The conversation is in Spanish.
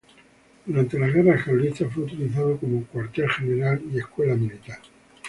Durante las Guerras Carlistas fue utilizada como cuartel general y escuela militar.